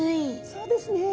そうですね。